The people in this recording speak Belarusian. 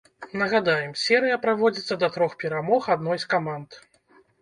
Нагадаем, серыя праводзіцца да трох перамог адной з каманд.